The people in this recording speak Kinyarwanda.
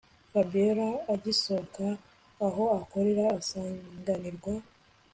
Fabiora agisohoka aho akorera asanganirwa